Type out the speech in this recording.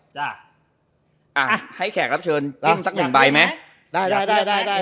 จ้ะอ่ะให้แขกรับเชิญบ้างสักหนึ่งใบไหมได้ได้ได้